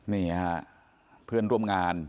นี่ฮะเพื่อนร่วมงาน